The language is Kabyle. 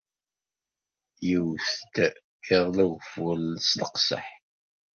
Iwwet-d iḍelli ugeffur s leqseḥ.